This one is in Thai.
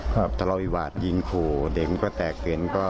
ทะเลาวิวาสยิงขู่เด็กมันก็แตกเป็นก็